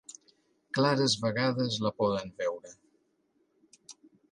Clares vegades la poden veure.